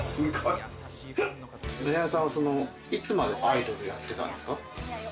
美奈代さんはいつまでアイドルやってたんですか？